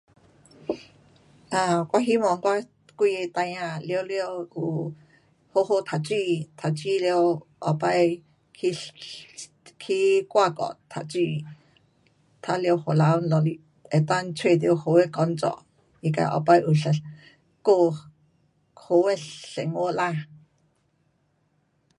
啊，我希望我几个孩儿全部有好好读书，读书完了后次去，去外国读书，读了回来若是能够找到好的工作，他自后次一过好的生活啦。